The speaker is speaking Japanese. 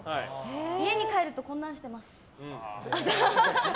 家に帰ると、こうしてます。